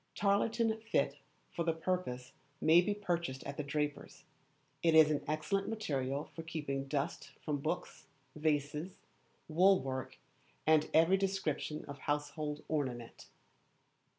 Tarlatan fit for the purpose may be purchased at the draper's. It is an excellent material for keeping dust from books, vases, wool work, and every description of household ornament.